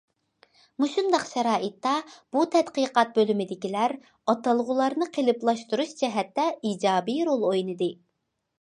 مۇشۇنداق شارائىتتا بۇ تەتقىقات بۆلۈمىدىكىلەر ئاتالغۇلارنى قېلىپلاشتۇرۇش جەھەتتە ئىجابىي رول ئوينىدى.